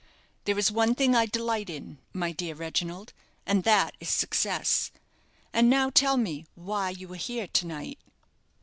There is one thing I delight in, my dear Reginald, and that is success! And now tell me why you are here to night?"